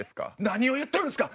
何を言ってるんですか！